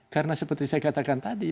karena seperti saya katakan tadi